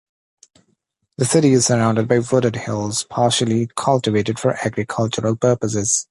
The city is surrounded by wooded hills, partially cultivated for agricultural purposes.